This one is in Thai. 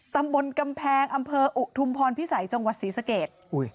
ตำบลกำแพงอำเภออุทุมพรพิสัยจังหวัดศรีสเกต